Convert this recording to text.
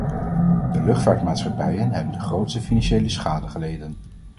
De luchtvaartmaatschappijen hebben de grootste financiële schade geleden.